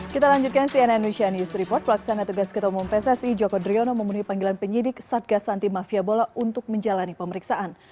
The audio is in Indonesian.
kita lanjutkan cnn indonesia news report pelaksana tugas ketua umum pssi joko driono memenuhi panggilan penyidik satgas anti mafia bola untuk menjalani pemeriksaan